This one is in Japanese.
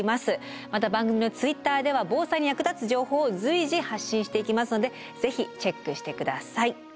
また番組のＴｗｉｔｔｅｒでは防災に役立つ情報を随時発信していきますのでぜひチェックして下さい。